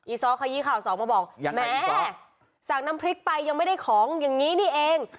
ซ้อขยี้ข่าวสองมาบอกแหมสั่งน้ำพริกไปยังไม่ได้ของอย่างนี้นี่เอง